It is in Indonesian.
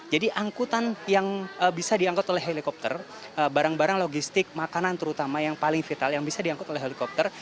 jadi angkutan yang bisa diangkut oleh helikopter barang barang logistik makanan terutama yang paling vital yang bisa diangkut oleh helikopter